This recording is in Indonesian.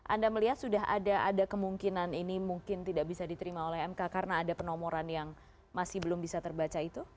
anda melihat sudah ada kemungkinan ini mungkin tidak bisa diterima oleh mk karena ada penomoran yang masih belum bisa terbaca itu